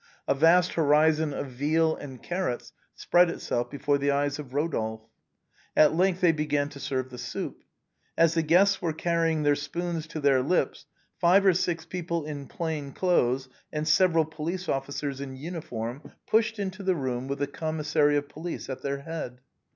A vast horizon of veal and carrots spread itself before the eyes of Eodolphe. At length they began to serve the soup. As the guests were carrying their spoons to their lips, five or six people in plain clothes, and several police officers in uniform pushed into the room, with a commissary of police at their head.